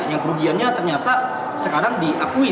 yang kerugiannya ternyata sekarang diakui